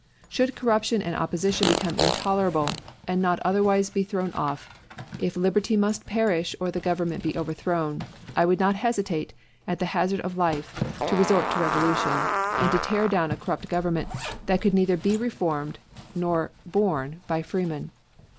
Should corruption and oppression become intolerable, and not otherwise be thrown off if liberty must perish or the government be overthrown, I would not hesitate, at the hazard of life, to resort to revolution, and to tear down a corrupt government that could neither be reformed nor borne by freemen.